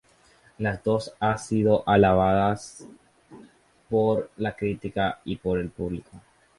Las dos has sido alabadas por la crítica y por el público.